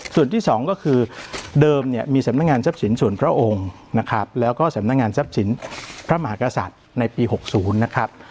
ส่วนที่๒ก็คือเดิมเนี่ยมีสำนักงานทรัพย์สินส่วนพระองค์นะครับแล้วก็สำนักงานทรัพย์สินพระมหากษัตริย์ในปี๖๐นะครับ